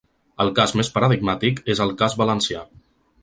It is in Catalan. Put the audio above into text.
El cas més paradigmàtic és el cas valencià.